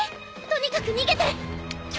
とにかく逃げて！